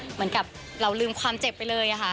เหมือนกับเราลืมความเจ็บไปเลยค่ะ